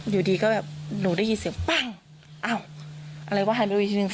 อยู่ดีก็แบบหนูได้ยินเสียงปั้งอ้าวอะไรวะหายไปอีกทีหนึ่ง